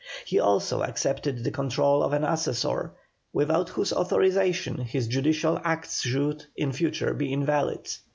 He also accepted the control of an Assessor, without whose authorization his judicial acts should, in future, be invalid.